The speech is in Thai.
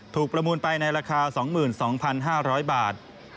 ประมูลไปในราคา๒๒๕๐๐บาท